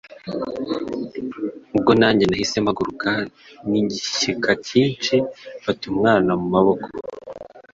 ubwo nanjye nahise mpaguruka n’igishyika cyinshi mfata umwana mu maboko